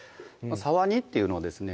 「沢煮」っていうのはですね